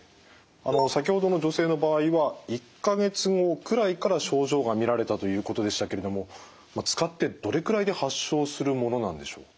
先ほどの女性の場合は１か月後くらいから症状が見られたということでしたけれども使ってどれくらいで発症するものなんでしょう？